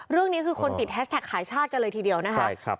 เรื่องนี้คือคนติดแฮชแท็กขายชาติกันเลยทีเดียวนะคะ